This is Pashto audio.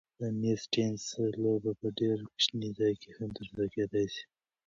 د مېز تېنس لوبه په ډېر کوچني ځای کې هم ترسره کېدای شي.